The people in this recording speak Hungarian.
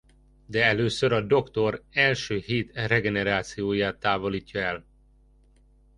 De először a Doktor első hét regenerációját távolítja el.